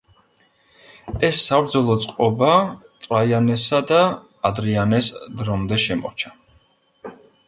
ეს საბრძოლო წყობა ტრაიანესა და ადრიანეს დრომდე შემორჩა.